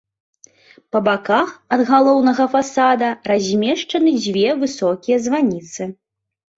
Па баках ад галоўнага фасада размешчаны дзве высокія званіцы.